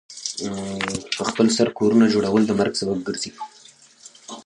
پخپل سر کورونو جوړول د مرګ سبب ګرځي.